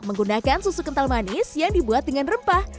menggunakan susu kental manis yang dibuat dengan rempah